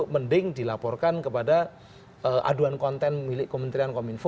mending dilaporkan kepada aduan konten milik kementerian kominfo